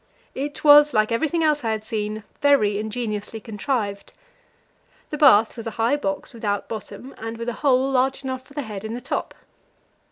It was, like everything else I had seen, very ingeniously contrived. The bath was a high box without bottom, and with a hole, large enough for the head, in the top.